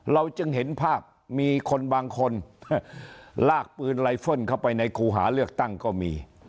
เราจึงเห็นภาพมีคนบางคนลากปืนไลเฟิลเข้าไปในครูหาเลือกตั้งก็มี